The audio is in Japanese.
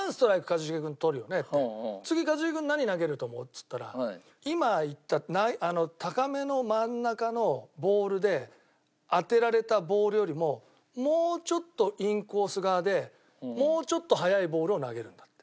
「次一茂君何投げると思う？」っつったら今言った高めの真ん中のボールで当てられたボールよりももうちょっとインコース側でもうちょっと速いボールを投げるんだって。